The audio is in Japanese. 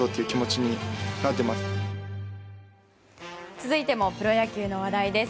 続いてもプロ野球の話題です。